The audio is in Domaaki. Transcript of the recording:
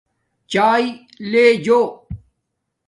چاݵے لے جُو